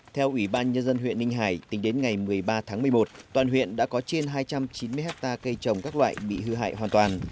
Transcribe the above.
theo ubnd huyện ninh hải tính đến ngày một mươi ba tháng một mươi một toàn huyện đã có trên hai trăm chín mươi hectare cây trồng các loại bị hư hại hoàn toàn